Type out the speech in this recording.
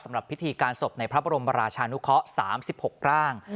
สำหรับพิธีการศพในพระบรมราชานุเคาะ๓๖ร่าง